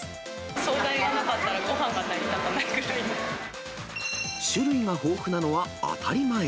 総菜がなかったらごはんが成種類が豊富なのは当たり前。